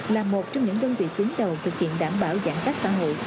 là một trong những đơn vị tuyến đầu thực hiện đảm bảo giãn cách xã hội